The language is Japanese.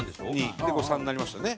で３になりましたね。